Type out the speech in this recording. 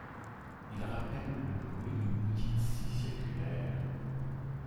Il rappelle le bruit d’une petite scie circulaire.